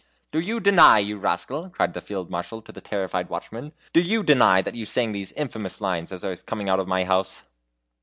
"Do you deny, you rascal," cried the Field Marshal to the terrified watchman; "do you deny that you sang these infamous lines as I was coming out of my house?"